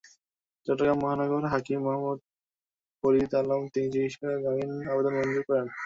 চট্টগ্রাম মহানগর হাকিম মোহাম্মদ ফরিদ আলম তিন চিকিৎসকের জামিন আবেদন মঞ্জুর করেন।